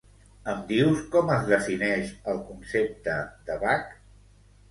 Em dius com es defineix el concepte de bac?